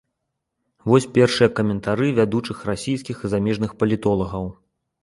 Вось першыя каментары вядучых расійскіх і замежных палітолагаў.